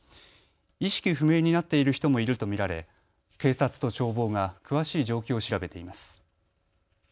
意識不明になっている人もいると見られ警察と消防が詳しい状況を調べています。